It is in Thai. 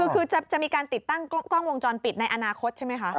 คือจะมีการติดตั้งกล้องวงจรปิดในอนาคตใช่ไหมคะ